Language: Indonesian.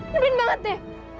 mimpin banget deh